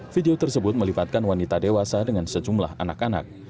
video tersebut melibatkan wanita dewasa dengan sejumlah anak anak